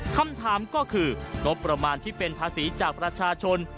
คำถามก็คืองบประมาณที่เป็นภาษีจากประชาชน